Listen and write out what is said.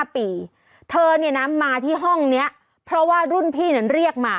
เธอเนี่ยนะมาที่ห้องนี้เพราะว่ารุ่นพี่นั้นเรียกมา